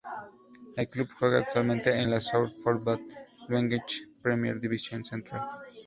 El club juega actualmente en la Southern Football League Premier Division Central.